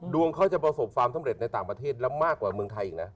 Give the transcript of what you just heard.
ดวงเขาจะประสบความสำเร็จในต่างประเทศแล้วมากกว่าเมืองไทยอีกนะ